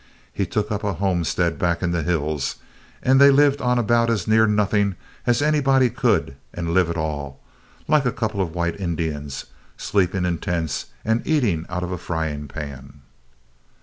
He took up a homestead back in the hills and they lived on about as near nothing as anybody could, and live at all like a couple of white Indians sleeping in tents and eating out of a frying pan.